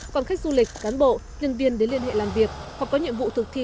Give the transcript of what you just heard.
còn khách du lịch cán bộ nhân viên đến liên hệ làm việc hoặc có nhiệm vụ thực thi